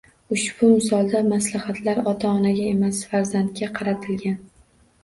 Ushbu misolda maslahatlar ota-onaga emas, farzandga qaratilgan.